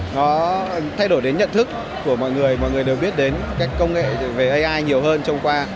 nó thay đổi đến nhận thức của mọi người mọi người đều biết đến cái công nghệ về ai nhiều hơn trong qua